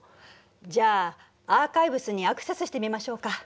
じゃあアーカイブスにアクセスしてみましょうか？